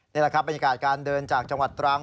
นี่แหละครับบรรยากาศการเดินจากจังหวัดตรัง